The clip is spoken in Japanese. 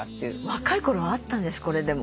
若い頃はあったんですこれでも。